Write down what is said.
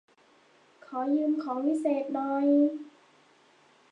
ขอยืมของวิเศษหน่อย